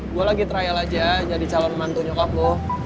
gue lagi trial aja jadi calon mantu nyokap lo